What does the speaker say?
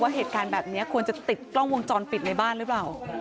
เหตุการณ์แบบนี้ควรจะติดกล้องวงจรปิดในบ้านหรือเปล่า